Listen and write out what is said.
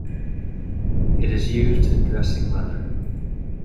It is used in dressing leather.